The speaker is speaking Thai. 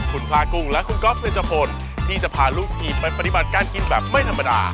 คุณพลากุ้งและคุณก๊อฟเพชพลที่จะพาลูกทีมไปปฏิบัติการกินแบบไม่ธรรมดา